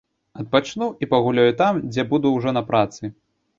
Адпачну і пагуляю там, дзе буду ўжо на працы.